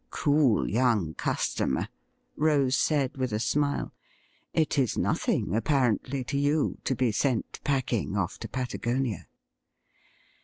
I ' Cool young customer !' Rose said with a smile. ' It is 12 178 THE RIDDLE RING nothing, apparently, to you to be sent packing off to Patagonia.'